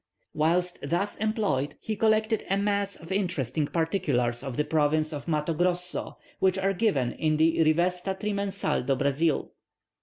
Whilst thus employed, he collected a mass of interesting particulars of the province of Mato Grosso, which are given in the Rivesta trimensal do Brazil.